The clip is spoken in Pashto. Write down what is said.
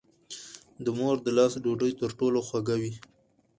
د مور د لاس ډوډۍ تر ټولو خوږه وي.